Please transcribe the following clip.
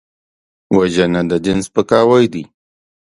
وژنه د دین سپکاوی دی